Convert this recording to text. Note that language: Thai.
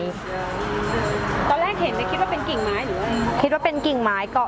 ลองถามแล้วค่ะเขาก็บอกว่าไม่เคยเห็นตั๊กกะแตนเหมือนกัน